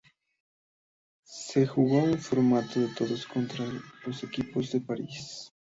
Se jugó un formato de todos contra todos con equipos de París.